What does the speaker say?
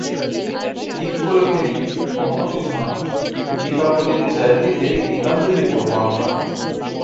ঠিক করে ফেলি, অন্য কিছু নয়, দীপাবলির চ্যারিটিতে গীতাঞ্জলি পড়ব আমরা।